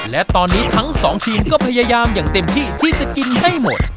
และตอนนี้ทั้งสองทีมก็พยายามอย่างเต็มที่ที่จะกินให้หมด